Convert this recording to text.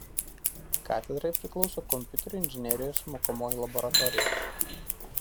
Katedrai priklauso Kompiuterių inžinerijos mokomoji laboratorija.